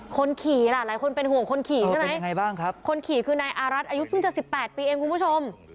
คนขี่ล่ะหลายคนเป็นห่วงคนขี่ใช่ไหมยังไงบ้างครับคนขี่คือนายอารัฐอายุเพิ่งจะ๑๘ปีเองคุณผู้ชม